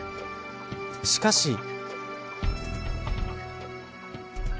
しかし。